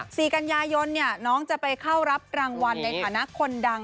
สี่กันยายนเนี่ยน้องจะไปเข้ารับรางวัลในฐานะคนดัง